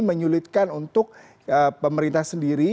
menyulitkan untuk pemerintah sendiri